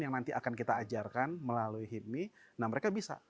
yang nanti akan kita ajarkan melalui hipmi mereka bisa